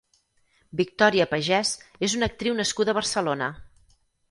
Victòria Pagès és una actriu nascuda a Barcelona.